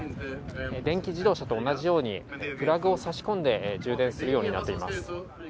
電気自動車と同じように、プラグを差し込んで充電するようになっています。